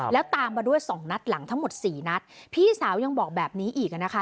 แล้วตามมาด้วยสองนัดหลังทั้งหมดสี่นัดพี่สาวยังบอกแบบนี้อีกอ่ะนะคะ